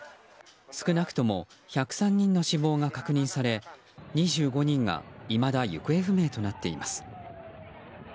少なくとも１０３人の死亡が確認され２５人がいまだ行方不明となっています。